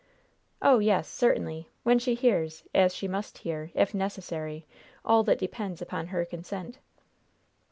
"Oh, yes! certainly! when she hears, as she must hear, if necessary, all that depends upon her consent."